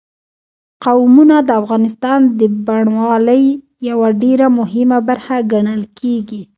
قومونه د افغانستان د بڼوالۍ یوه ډېره مهمه برخه ګڼل کېږي.